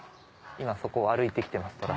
今そこ歩いてきてます。